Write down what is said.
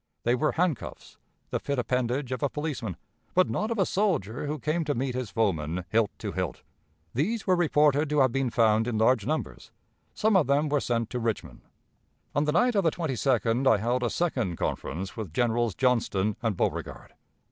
They were handcuffs, the fit appendage of a policeman, but not of a soldier who came to meet his foeman hilt to hilt. These were reported to have been found in large numbers; some of them were sent to Richmond. On the night of the 22d I held a second conference with Generals Johnston and Beauregard.